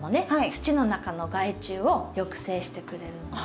土の中の害虫を抑制してくれるので。